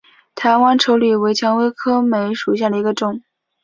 台湾稠李为蔷薇科梅属下的一个种。